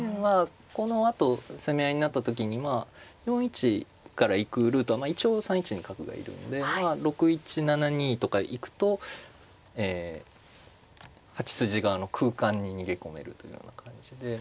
このあと攻め合いになった時にまあ４一から行くルートは一応３一に角がいるんでまあ６一７二とか行くと８筋側の空間に逃げ込めるというような感じで。